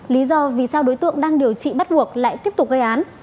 lý do vì sao đối tượng đang điều trị bắt buộc lại tiếp tục gây án